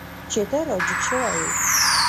چې ته را جګ شوی یې.